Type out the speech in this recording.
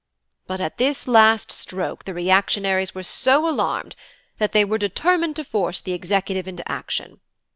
"But at this last stroke the reactionaries were so alarmed, that they were, determined to force the executive into action.